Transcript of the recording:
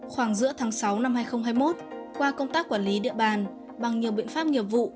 khoảng giữa tháng sáu năm hai nghìn hai mươi một qua công tác quản lý địa bàn bằng nhiều biện pháp nghiệp vụ